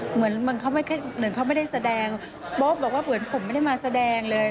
เหมือนเขาไม่ได้แสดงโบ๊คบอกว่าเหมือนผมไม่ได้มาแสดงเลย